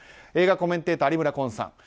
映画コメンテーター、有村昆さん。